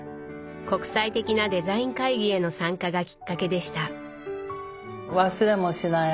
国際的なデザイン会議への参加がきっかけでした。